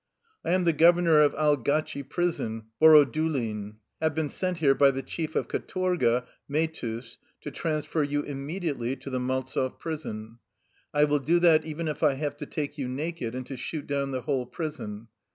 " I am the governor of Algatchi prison, Boro dulin. Have been sent here by the chief of kdtorga, Mehtus, to transfer you immediately to the Maltzev prison. I will do that even if I have to take you naked and to shoot down the whole prison.